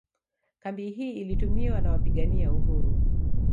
Kambi hii ilitumiwa na wapiagania uhuru